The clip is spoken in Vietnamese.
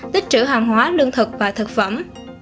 tích trữ hàng hóa lương thực và thực phẩm